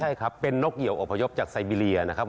ใช่ครับเป็นนกเหี่ยวอบพยพจากไซเบียนะครับ